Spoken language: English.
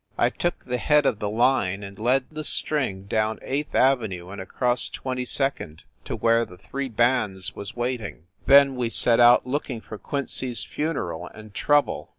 I took the head of the line and led the string down Eighth avenue and across Twenty second to where the three bands was waiting then we set 252 FIND THE WOMAN out looking for Quincy s funeral and trouble.